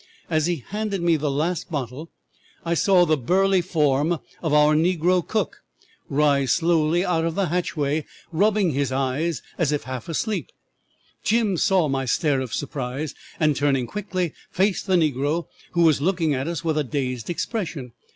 As he handed me the last bottle I saw the burly form of our negro cook rise slowly out of the hatchway, rubbing his eyes as if half asleep. Jim saw my stare of surprise, and, turning quickly, faced the negro, who was looking at us with a dazed expression.